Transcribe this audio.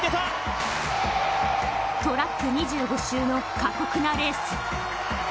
トラック２５周の過酷なレース。